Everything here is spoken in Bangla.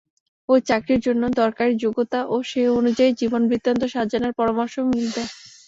ওই চাকরির জন্য দরকারি যোগ্যতা ও সে অনুযায়ী জীবনবৃত্তান্ত সাজানোর পরামর্শও মিলবে।